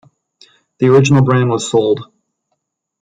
The original brand was sold.